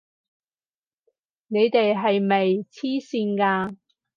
你哋係咪癡線㗎！